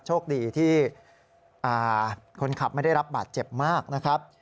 โชคดีที่คนขับไม่ได้รับบาดเจ็บมากนะครับ